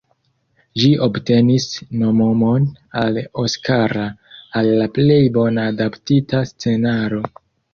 Ĝi obtenis nomumon al Oskaro al la plej bona adaptita scenaro.